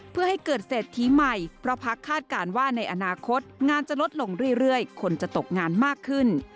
เพื่อให้เกิดเศรษฐีใหม่เพราะพักคาดการณ์ว่าในอนาคตงานจะลดลงเรื่อยคนจะตกงานมากขึ้น